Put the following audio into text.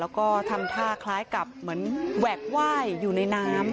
แล้วก็ทำท่าคล้ายกับเหมือนแหวกไหว้อยู่ในน้ำ